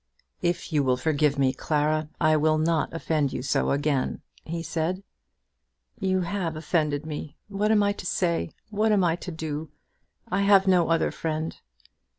"If you will forgive me, Clara, I will not offend you so again," he said. "You have offended me. What am I to say? What am I to do? I have no other friend."